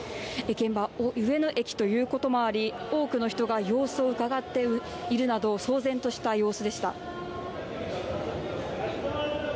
現場は上野駅ということもあり多くの人が様子をうかがっているなど騒然とした様子でした。